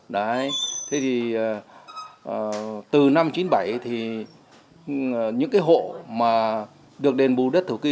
đấy thế thì từ năm chín mươi bảy thì những cái hộ mà được đền bù đất thổ cư